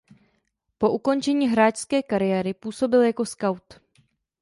Po ukončení hráčské kariéry působil jako skaut.